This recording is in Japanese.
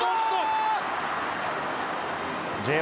Ｊ１